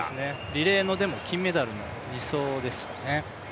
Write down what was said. リレーの金メダルの２走でしたね。